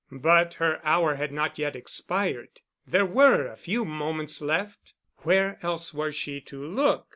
But her hour had not yet expired. There were a few moments left. Where else was she to look?